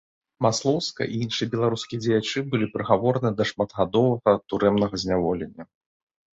Маслоўская і іншыя беларускія дзеячы былі прыгавораны да шматгадовага турэмнага зняволення.